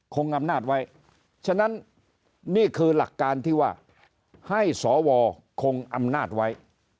คงอำนาจไว้ฉะนั้นนี่คือหลักการที่ว่าให้สวคงอำนาจไว้